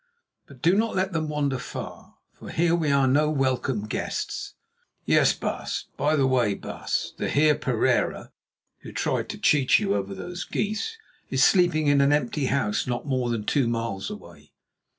But do not let them wander far, for here we are no welcome guests." "Yes, baas. By the way, baas, the Heer Pereira, who tried to cheat you over those geese, is sleeping in an empty house not more than two miles away.